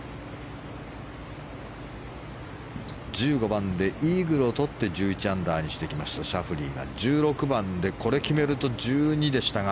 １５番でイーグルを取って１１アンダーにしてきましたシャフリーが１６番でこれを決めると１２でしたが。